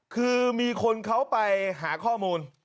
คือมีคนเขาไปหาข้อมูล